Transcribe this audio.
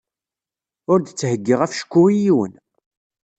Ur d-ttheyyiɣ afecku i yiwen.